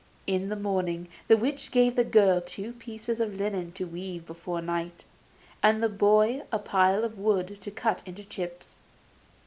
In the morning the witch gave the girl two pieces of linen to weave before night, and the boy a pile of wood to cut into chips.